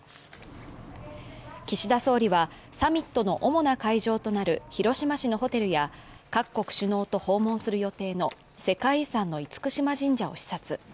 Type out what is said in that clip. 岸田総理はサミットの主な会場となる広島市のホテルや各国首脳と訪問する予定の世界遺産の厳島神社を視察。